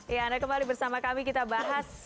ya anda kembali bersama kami kita bahas